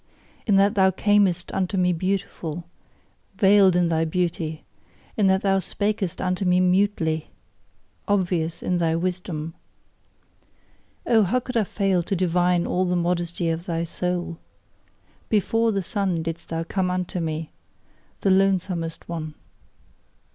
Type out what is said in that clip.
In that thou camest unto me beautiful, veiled in thy beauty, in that thou spakest unto me mutely, obvious in thy wisdom: Oh, how could I fail to divine all the modesty of thy soul! BEFORE the sun didst thou come unto me the lonesomest one.